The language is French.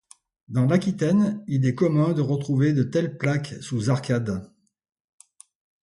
Dans l'Aquitaine il était commun de retrouver de telles plaques sous arcade.